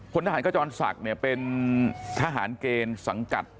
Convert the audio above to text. คนทหารกระจอนศักดิ์ศรีเป็นทหารเกณฑ์สังกัด